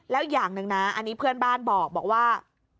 แล้วอย่างหนึ่งนะอันนี้เพื่อนบ้านบอกว่า